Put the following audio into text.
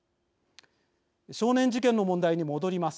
少年事件の問題に戻ります。